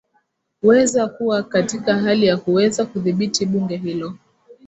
weza kuwa katika hali ya kuweza kudhibiti bunge hilo